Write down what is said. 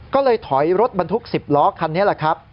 ก็เลยถอยรถบรรทุก๑๐ล้อคันนี้แหละครับ